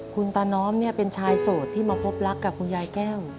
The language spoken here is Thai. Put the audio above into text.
คุณตาน้อมเป็นชายโสดที่มาพบรักกับคุณยายแก้ว